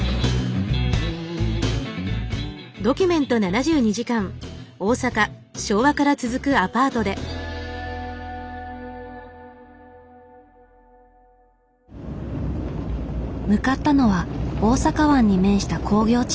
向かったのは大阪湾に面した工業地帯。